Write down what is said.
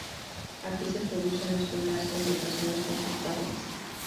Aquí se producen las primeras conversaciones con sus padres.